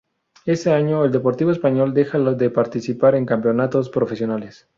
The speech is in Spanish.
Ese año el Deportivo Español deja de participar en campeonatos profesionales.